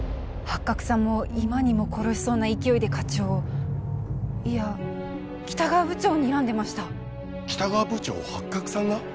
ハッカクさんも今にも殺しそうな勢いで課長をいや北川部長をにらんでました北川部長をハッカクさんが？